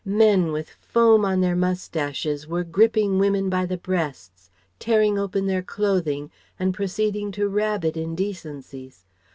Men with foam on their moustaches were gripping women by the breasts, tearing open their clothing, and proceeding to rabid indecencies.